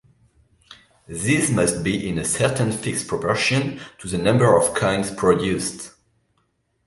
These must be in a certain fixed proportion to the number of coins produced.